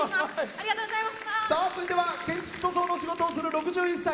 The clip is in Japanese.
続いては建築塗装の仕事をする６１歳。